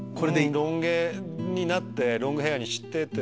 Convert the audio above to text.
ロン毛になってロングヘアにしてたら。